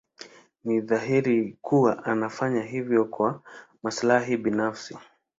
Ni dhahiri kuwa amefanya hivyo kwa maslahi binafsi.